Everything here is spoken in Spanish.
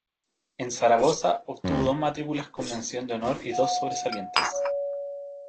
En Zaragoza obtuvo dos matrículas con mención de honor y dos sobresalientes.